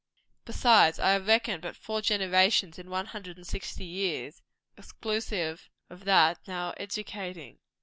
Besides, I have reckoned but four generations in one hundred and sixty years, exclusive of that now educating.